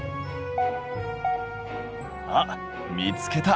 あっ見つけた。